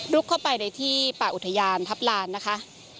เข้าไปในที่ป่าอุทยานทัพลานนะคะ